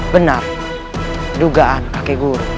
benar dugaan kakek guru